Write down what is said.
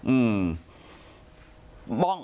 อืม